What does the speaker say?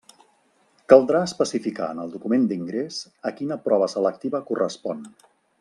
Caldrà especificar en el document d'ingrés a quina prova selectiva correspon.